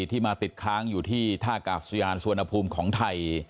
ที่มาติดค้างอยู่ที่ท่ากาศยานสุวรรณภูมิของไทย